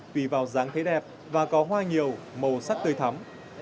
tùy vào dáng thấy đẹp và có hoa nhiều màu sắc tươi thắm